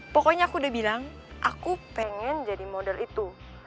pokoknya aku udah bilang aku pengen jadi model itu